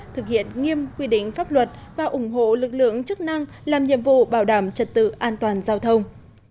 thực hiện nghiêm quy định pháp luật và ủng hộ lực lượng chức năng làm nhiệm vụ bảo đảm trật tự an toàn giao thông